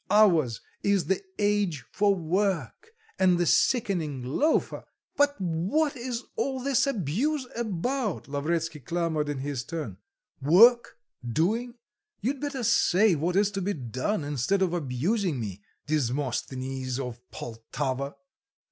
Ours is the age for work, and the sickening loafer"... "But what is all this abuse about?" Lavretsky clamoured in his turn. "Work doing you'd better say what is to be done, instead of abusing me, Desmosthenes of Poltava!"